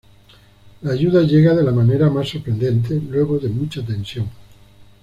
La ayuda llega de la manera más sorprendente, luego de mucha tensión.